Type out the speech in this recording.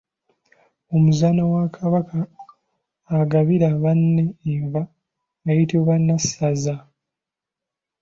Omuzaana wa Kabaka agabira banne enva ayitibwa Nassaza.